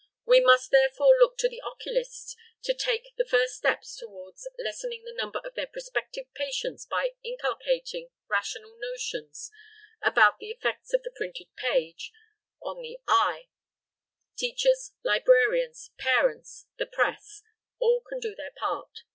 We must therefore look to the oculists to take the first steps towards lessening the number of their prospective patients by inculcating rational notions about the effects of the printed page on the eye. Teachers, librarians, parents, the press all can do their part.